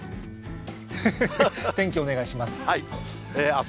天気お願いします。